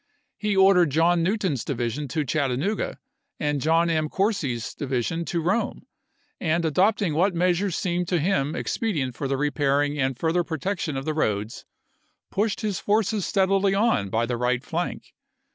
He ordered John New ton's division to Chattanooga and John M. Corse's division to Eome, and adopting what measures seemed to him expedient for the repairing and further protection of the roads, pushed his forces steadily on by the right flank.